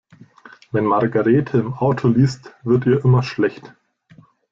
Wenn Margarethe im Auto liest, wird ihr immer schlecht.